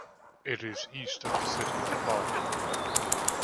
It is east of the city of Pawnee.